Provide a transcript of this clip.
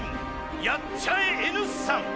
やっちゃえＮ産。